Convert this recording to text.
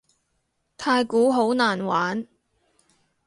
太鼓好難玩